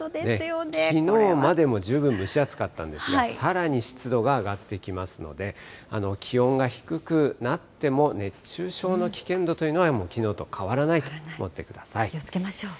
きのうまでも十分蒸し暑かったんですが、さらに湿度が上がってきますので、気温が低くなっても、熱中症の危険度というのはもうきのうと変わらないと思ってく気をつけましょう。